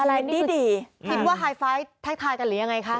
อันนี้ดีคิดว่าไฮไฟล์ทักทายกันหรือยังไงคะ